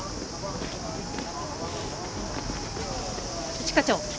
一課長。